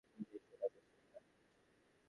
তিনি ঈশ্বরের আদেশে এই গানটি লিখেছেন।